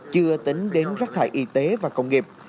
chưa tính đến rác thải y tế và công nghiệp